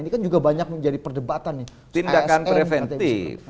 ini kan juga banyak menjadi perdebatan nih